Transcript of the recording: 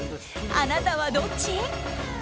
あなたはどっち？